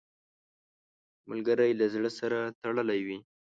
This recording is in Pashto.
ملګری له زړه سره تړلی وي